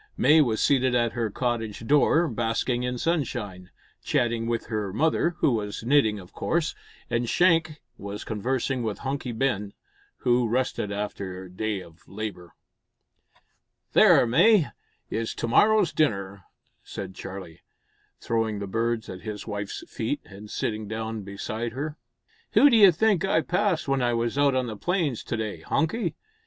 May was seated at her cottage door, basking in sunshine, chatting with her mother who was knitting of course and Shank was conversing with Hunky Ben, who rested after a day of labour. "There, May, is to morrow's dinner," said Charlie, throwing the birds at his wife's feet, and sitting down beside her. "Who d'you think I passed when I was out on the plains to day, Hunky?